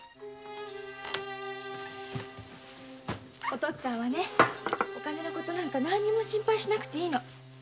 おとっつぁんはねお金の事何にも心配しなくていいの。